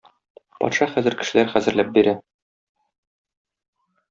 Патша хәзер кешеләр хәзерләп бирә.